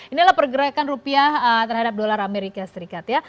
inilah pergerakan rupiah terhadap dolar amerika serikat ya